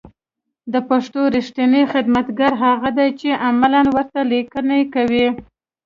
د پښتو رېښتينی خدمتگار هغه دی چې عملاً ورته ليکنې کوي